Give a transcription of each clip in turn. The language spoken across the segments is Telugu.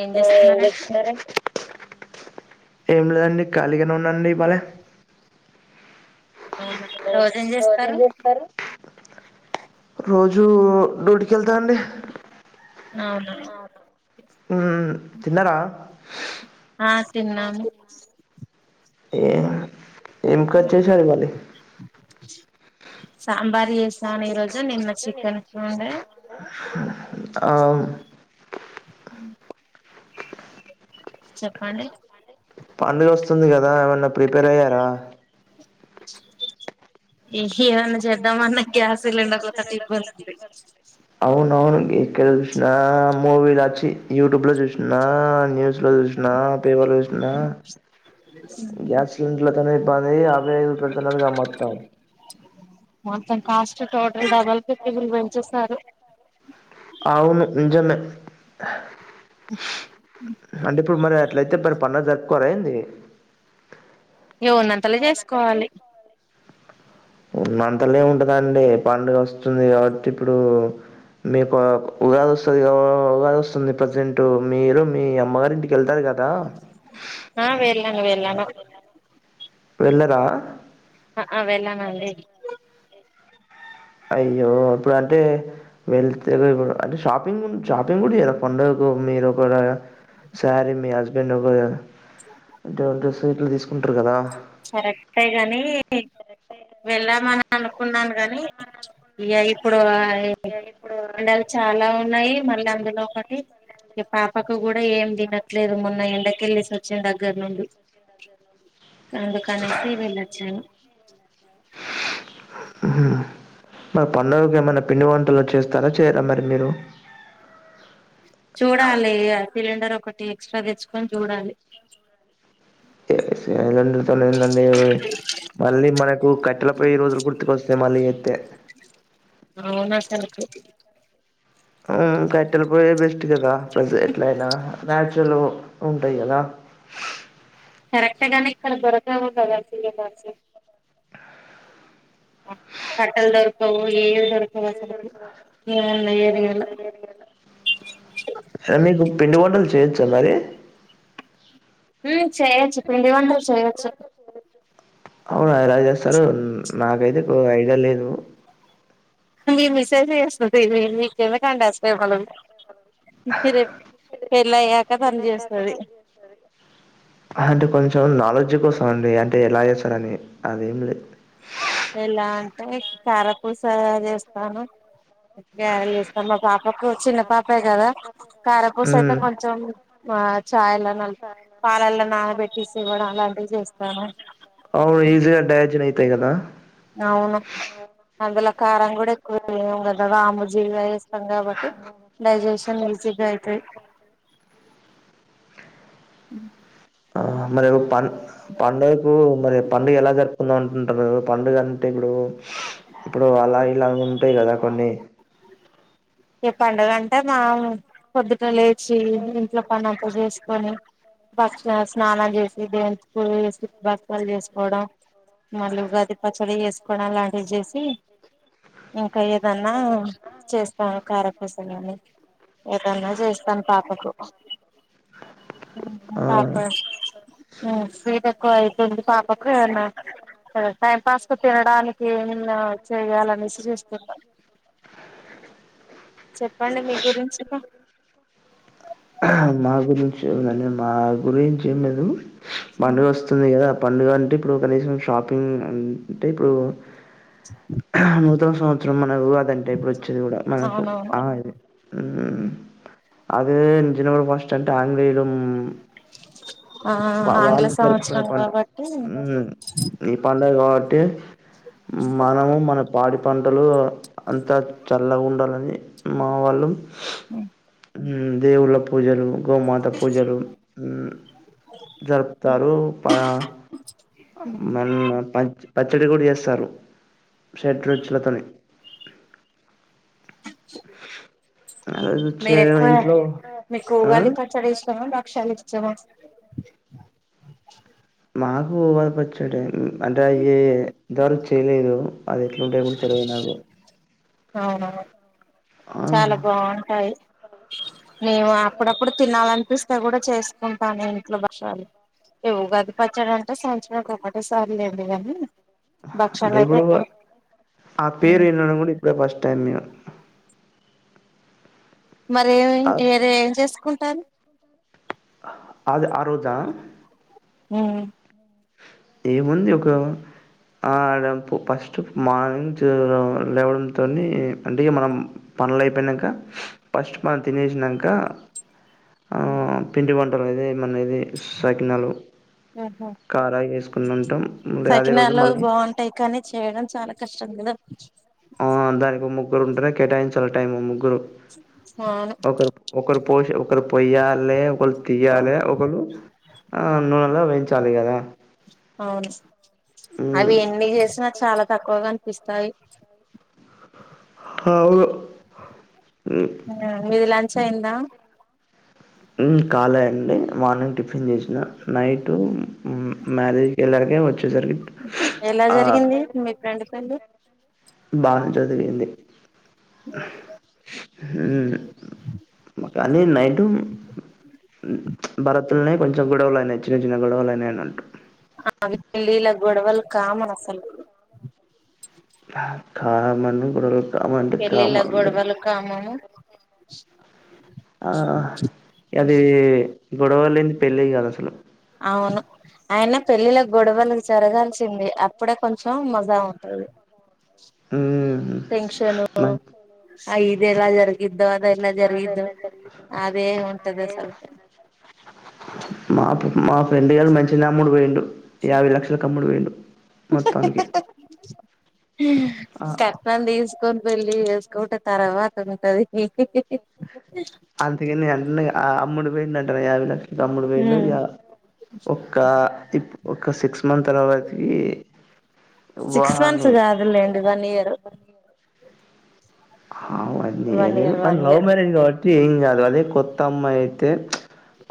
ఏం ఆ చేస్తున్నారండి ఏంచేస్తున్నారు ఏం లేదండి ఖాళీగానే ఉన్నాండి ఇవాళ లే రోజు ఏం జేస్తారు రోజు డ్యూటీకెళ్తాండి అవునా ఉమ్ తిన్నరా ఆ తిన్నాను ఏం ఏం కర్రీ చేసారు మరి సాంబార్ చేసాను ఈ రోజు నిన్న చికెన్ ఉండే ఆ, చెప్పండి పండుగ వస్తుంది గదా ఏమన్నా ప్రిపేర్ అయ్యారా ఏహి ఇమన్నా జక్ ఉంది అవును అవును ఎక్కడ చూసినా మూవీలు అచ్చి యూట్యూబ్ లో చూసిన న్యూ జూశిన పేపర్లో జూశిన గ్యాస్ సిలిండర్ల తోనే ఇబ్బంది అవ్వే పెడుతున్నదిగా మొత్తం క్యాస్ట్ టోటల్ డబల్బుల్ ఫిఫ్టీత్రీ పెంచేసారు అవును నిజమే అంటే ఇప్పుడు మరి అట్లయితే మరి పండగ జరిగ్ క్క రెంది ఏవున్నంతల జేసుకోవాలి ఉన్న అంతలే ఉంటదండి పండుగ వస్తుంది కాబట్టి ఇప్పుడు రెప ఆ ఉగాది వస్తుందిగా ఉగాది వస్తుంది ప్రజెంట్ మీరు మీ అమ్మగారు ఇంటికి వెళ్తారు గ ఆ వెేళ్లాను వెేళ్లాను వెళ్ళరా ఆ ఆ వెళ్ళానండి అయ్యో ఇప్పుడు అంటే వెళ్తే రేప్ అంటే షాపింగ్ షాపింగ్ కూడా చేయర పండుగక్ మీరు ఒకవేళ శారీ మీ హస్బెండ్ అంటే ఒక సీట్లు తీస్ కరెక్టే గాని వెళ్ళామన అనుకున్నాను గాని ఇగ ఇప్పుడు ఎండలు చాలా ఉన్నాయి మళ్ళీ అందులో ఒకటి ఇగ పాపకు కూడా ఏం తినట్లేదు మొన్న ఎండకెళ్ళిసోచ్చిన దగ్గర నుండి ఎందుకనేసి వెళ్లొచ్చాను ఉ మరి పండుగకి ఏమన్న పిండి వంటలు చేస్తారా చేయరా మరి మీరు చూడాలి ఇగ సిలిండర్ ఒకటి ఎక్స్ట్రా తెచ్చుకొని చూడాలి ఏందండి [unintelligible] మళ్ళీ మనకు కట్టెల పోయ్యి రోజులు గుర్తుకొస్తాయి మళ్ళీ చేతే అవునం మ్ కట్టెల పోయే బెస్ట్ కదా ప్రస్ ఎట్లయినా నాచురల్ ఉంటాయి కదా కరెక్టే గని ఇక్కడ దోరకవు కదా [unintelligible] కట్టల్ దోరుకవు ఎం దొర్ అమేకు పిండి వంటలు చేయొచ్చ మరి మ్ చేయొచ్చు పిండి వంటలు చేయొచ్చు అవునా ఎలా చేస్తారు నాకైతే ఐడియా లేదు మీ మిసేజ్ చేస్తతి మీక్ ఎందుకండి ఆ శ్రమలు మీర్ అంటే కొంచెం నాలెడ్జ్ కోస్ అంటే ఎలా చేస్తారని అదేం లేదు ఎలా అంటే కారపూస చేస్తాను గ్యారెలు చేస్తా మా పాపకు చిన్న పాప పే కదా కారపూస అయితే మ్మ్ కొంచెం ఆ చాయలా నపి పాలల్లో నానబెట్టిసి ఇవ్వడం అలాంటివి చేస్తాను అవును ఈజిగా డయార్జిన్ అయితయి కదా అవును అందులో కారం కూడా ఎక్కువ వేయం కదా వాముజీర వే ం కాబట్టి డైజెషన్ ఈజీగా అయితది మ్ ఆ మరి పన్ పండుగకు మరి పండుగ ఎలా జరుపుందాం అంటుంటారు పండుగ అంటే ఇప్పుడు ఇప్పుడు అలా ఇలగ ఉంటయి కదా కొన్ని ఇగ పండుగ అంటే మా పొద్దుట లేచి ఇంట్లో పనంతా చేసి చేసి దేవునికి పూజ మళ్ళ ఉగాది పచ్చడ చేసుకోవడం లాంటివి చేసి ఇంకా ఎ దన్నా చేస్తాను కారపూస మరే ఏదన్నా చేస్తాను పాపకు ఆ పాప స్వీట్ ఎక్కువ అయిపోంది పాకంలో మ్ టైం పాస్ కు తినడానికి ఏమన్న చేయ్యలనేసి చేస్తున్నా చెప్పండి మీ గురించి మా గురించి ఎముందండి మా గురించి ఏం లేదు పండుగోస్తుంది కదా పండుగ అంటే ఇప్పుడు కనీసం షాపింగ్ అంటే ఇప్పుడు నూతన సంవత్సరం మనకు ఉగాదంటే ఇప్పుడు వచ్చేది కూడా మనకు అవునవును ఆ ఇది మ్ అడే జనవరి ఫస్ట్ అంటే ఆంగ్లేంలం ఆ మ్ ఆంగ్ల వాళ్ళు జరుపుకునే సంవత్సరం పండ్ కాబట్టి మ్ ఈ పండగ క ఏ మనము మన పాడి పంటలు అంత చల్లగ ఉండాలని మా వాళ్ళు అ ఉ దేవుళ్ళ పూజలు గోమాత పూజలు ఊ జరుపుతారు పా మన్న పంచ పచ్చడి కూడా చేస్తారు. షడ్రుచులతో ని రోజు చే మీరు ఎక్కువ ఇంట్లో మీకు ఆ ఉగాది పచ్చడి ఇష్టమా బక్షల్లు ఇస్ టమ మాకు ఉగాది పచ్చడే అంటే ది ఇంతవరకు చేయలేదు. అది ఎట్ల ఉంటయో కూడా తెల్వదు నాకు అవునా ఆ చాలా బాగుంటాయి మేము అప్పుడప్పుడు తినాలనిపిస్తే కూడా చేసుకుంటా నేను ఇంట్లో బక్షాలు ఇవు ఉగాది పచ్చడంటే సంవత్సరం ఒక ఒకటే సార్ లేం కానీ అంటే ఇపుడు ఆ పేరు విన్నడం కూడా ఇప్పుడే ఫస్ట్ టైమే మరీ ఏమి ఆ వరే ఏం చేసుకుంటారు అది ఆ రోజు ఆ మ్ ఏముంది యొక్క ఆ అంపు ఫస్టు మార్నింగ్ చేయలేం లేవంతోని మనం పనులు ఐపోయినంక ఫస్ట్ మనం తినేసినంక ఆ పిండి వంటలు అదే మన నీదే సాకినాలు ఉహు కారయి చేస్ సకినాలు బాగుంటాయి కానీ చేయడం చాలా కష్టం కదా. ఆ దానికి ముగ్గురు ఉంటనే కేటాయించాలి టైమ్ ముగ్గురు అవును ఒకరు ఒక పోసు ఒక పొయ్యాలె ఒకలు తియాలే ఒకలు ఆ నునెలో వెంచాలి కదా అవును అవి ఎన్ని చేసినా చాల తక్కువగా అనిపిస్తాయి అవును మి లంచ్ అయిందా మ్ కాలే అండి మార్నింగ్ టిఫిన్ చేసిన నైట్టు మారేజ్ వెల్లాకే వచ్చిన ఎలా జరిగింది మీ ఫ్రెండ్ పెళ్లి బానే జరిగేంది మ్ మ కని నైటు భారత్ లోనే కొంచెం గొడవలు అన్నాయి చిన్న చిన్న గొడవలు అయినాయి అన్నట్టు పెళ్లి ఇలా గొడవలే కామన్ అసలు చాలామంది గొడవలు కామన్ అంటే పెళ్లి కామన్ అంటే గోడవలు కామను ఆహ్ అది గొడవలేంది పెళ్లే కాదు అసలు అవును అయిన పెళ్ళిల్లకి గోడవలు జరగాల్సిందే అప్పుడే కొంచెం మజ ఉంటది. టెన్షన్ మ ఆ అది ఎలా జరిగేంది తరువాత ఎట్లా జరిగిద్దో అదే ఉంటది అసలుక్కు మాకు మాక్ రెండియలు మంచి అమ్ముడు పోయిండు యాబైలక్షలలకు అమ్ముడు పోయిండు మొత్తానికి ఆ! కట్నం తీసుకొని పెళ్లి చేసికుంటే తర్వాత ఉంటది. అంతీగనే అన్ని అమ్ముడు పోయిన అంటేనే ఐదు ల తమ్ముడు పోయిండు ఇగ ఒక్క ఒఖ సిక్స్ ఉన్న తర్వాతకీ సిక్స్ మంత్స్ వానీ కాదులేండి వన్ ఇయర్ హ అవన్ని వన్ ఏదో ఇయర్ ఏదోవి వన్ లవ్ ఇయర్ మ్యారేజ్ కాబట్టి ఏం గాదు అదే కొత్త అమ్మాయి అయితే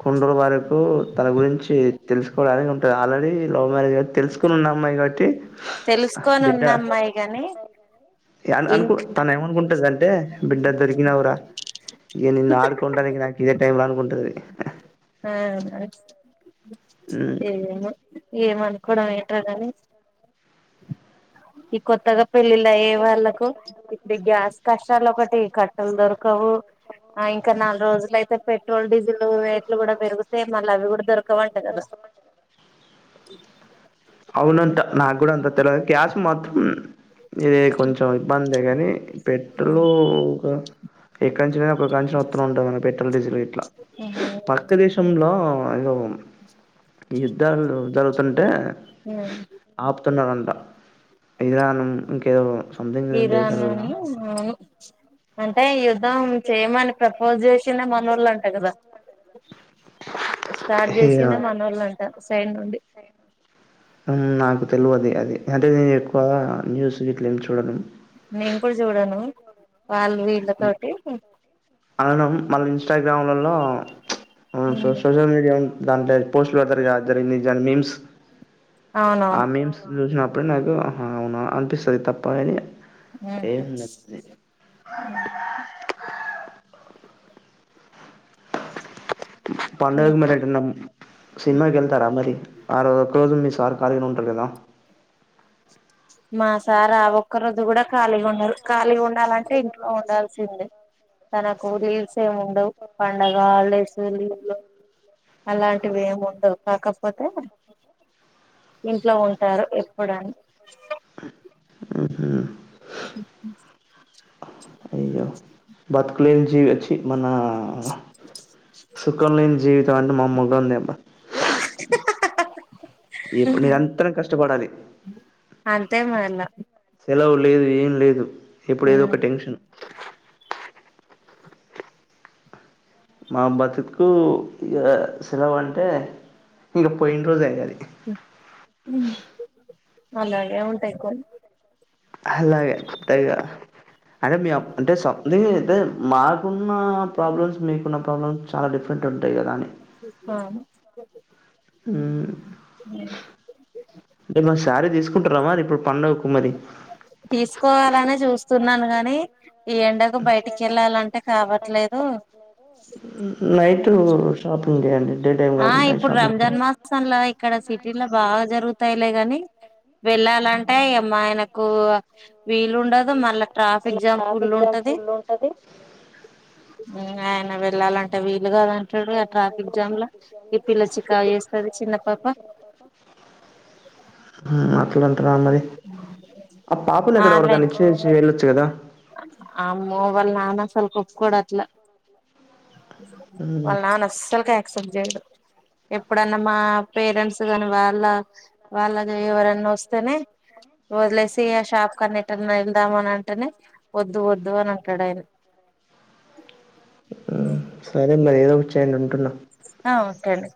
కుండలు బారకు తన గురించి తెలుసుకోవడాని ఉంటది. ఆల్రెడీ లవ్ మ్యారేజ్ కా తెలుసుకున్న అమ్మాయి కాబ తెలుసుకొని ఉన్న అమ్మాయి కాని అ అనుకు ఇంట్లా తన ఏమనుకుంటది అంటే బిడ్డ దొరికినావురా ఇక నిన్ ఆడుకుంట నాకు ఇదే టైమ్ అన్కుంటది. ఆ హ్మ్ ఏమో ఏమనుకోవడం ఎంటో గాని ఈ కొత్తగా పెళ్లిల్లు అయ్యే వాళ్ళకు ఇప్పుడు గ్యాస్ కష్టాలు ఒకటి కట్టలు దొరకవు. ఆ ఇంకా నాలుగు రోజులుయితే పెట్రోల్ డీజిల్ రేట్లు కూడా పెరిగితే మళ్ళీ అవి కూడా దొరకవంట కదా అవునంట నా కూడా అంత తెలద్ గ్యాస్ మాత్రం ఇదే కొంచెం ఇబ్బందే కానీ పెట్టులు ఒక ఎక్కనుంచినా ఒక్కొక్క అంచనా వొత్తు ఉంటది. మన పెట్రోల్ డీజిల్ ఇట్లా పక్క దేశంలో ఏదో యుద్ధాలు జరుగుతుంటే ఆపుతున్నారంట ఇరాన్ ఇంకేదో సంథింగ్ ఇరాన్ దేశాలల్లో అవును అంటే ఇ అంటే యుద్ధం విషయమిన కవర్ మనోళ్ళు తెచ్చిన [unintelligible] కదా అంట కదా స్టార్ట్ జేసిన మనోళ్లు అంటా సైడ్ నుండి సేమ్ ఉంది నాకు తెలివది అది అంటే నేను ఎక్కువ న్యూస్ గిట్ల ఏమి చూడను. నేను కూడా చూడను వాళ్ళు వీళ్ళతోటి అవును మన ఇన్స్టాగ్రామ్లల్లో సోషల్ మీడియా దాంట్లో పోస్ట్ లు పెడతారు జరిగింది మీమ్స్ ఆ అవునవును మీమ్స్ చూసిన అప్పుడు నాకు ఆహా అవున అనిపిస్తది తప్పని ఎంలే పండుగకి మరి ఇంకా ఏటన్న సినిమాకెళ్తారా మరి ఆరు ఒక్కరోజు మిస్ సార్ కలినే ఉంటడుకదా మా సార్ ఆ ఒక్క రోజు కూడా ఖాళీగా ఉండరు. ఖాళీగా ఉండాలంటే ఇంట్లో ఉండాల్సిందే. తనకు లీవ్స్ ఏమి ఉండవు. పండగ హాలిడేస్ అలాంటివి ఏమి ఉండవు కాకపోతే ఇంట్లో ఉం టారు ఎప్పుడన్న ఉహు ఉ బత్కులెన్ జీవిచ్చి మన సుఖంలేని జీవి ట మామ్మలుగా ఉంది అబా ఎప్పుడు నిరంతరం కష్టపడాలి అ అంతే మ సెలవ లేదు ఏం లేదు ఎప్పుడు ఏదో ఒక టెన్షన్ మా బతుక్కు ఇగ సెలవు అంటే ఇంకా పోయిన రోజు ఎగాలి అలాగే ఉంటాయి కోన్ అలాగే అంతేగా అంటే మీ అంటే షప్నీ అయితే మాకున్న ప్రాబ్లమ్స్ మీకున్న ప్రాబ్లమ్స్ చాలా డిఫరెంట్ ఉంటాయి కదా అండి. అ ఉ ఏమన్నా శారీ తీసుకుంటున్నవమారి ప్పుడు పండగకు మరి తీసుకోవాలనే చూస్తున్నాను గానీ ఈ ఎండకు బయటికి వెళ్ళాలంటే కావట్లేదు. నైట్ షాపింగ్ చేయండి డే టైం ఆ కాకుండా ఇప్పుడు షాపింగ్ రంజాన్ చేయండి మాసంలో ఇక్కడ సి టిలా బాగా జరుగుతాయిలే గాని వెళ్ళాలంటే ఇగ మా ఆయనకు వీలుండదు మళ్ళా ట్రాఫిక్ జామ్ ఫులుంటది ఆయన వెళ్ళాలంటే వీలు కాదంటాడు ఆ ట్రాఫిక్ జామ్లా [unintelligible] పాప ఊ అట్లాంటున్నారు మరి ఆ పాపులు ఎక్కడ ఆన్లైన్ ఎవరకనిచ్చేసి వెళ్ళొచ్చు కదా అమ్మో వాళ్ళ నానా అసలోప్పుకోడట్ల హ్మ్ వాళ్ళ నాన అసల్కే అక్సెప్ట్ జేయడు ఎప్పుడన్నా మా పేరెంట్స్ కాగాని వాళ్ళ వాళ్ళది ఎవరన్న ఓస్తేనే వదిలేసి ఆ షాప్కన్న ఎట్టన్నా వెళ్దాం అని అంటేనే ఓద్దు ఓద్దు అని అంటాడు ఆయన ఉహ్ సరే మరి ఏదోకచ్చేయండి ఉంటున్నా కానీ